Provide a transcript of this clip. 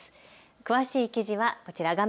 詳しい記事はこちら画面